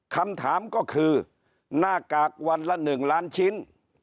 คำถามก็คือหน้ากากวันละ๑ล้านชิ้น